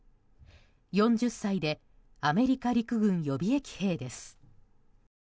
４０歳でアメリカ陸軍予備役兵です。